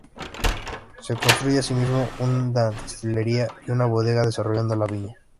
Se construye asimismo una destilería y una bodega, desarrollando la viña.